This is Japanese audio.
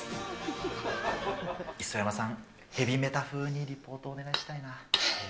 磯山さん、ヘビメタ風にリポートお願いしたいな。